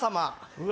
うわ